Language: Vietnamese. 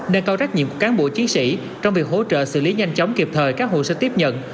nơi cao trách nhiệm của cán bộ chiến sĩ trong việc hỗ trợ xử lý nhanh chóng kịp thời các hồ sơ tiếp nhận